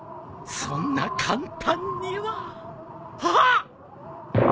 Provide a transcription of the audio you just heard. そんな簡単にはあっ！